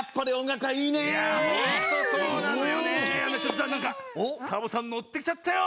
なんかサボさんのってきちゃったよ！